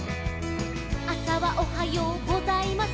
「あさはおはようございません」